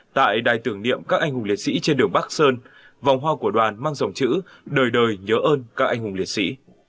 tại đài tưởng niệm các anh hùng liệt sĩ trên đường bắc sơn vòng hoa của đoàn mang dòng chữ đời đời nhớ ơn các anh hùng liệt sĩ